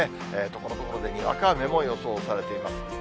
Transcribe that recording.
ところどころでにわか雨も予想されています。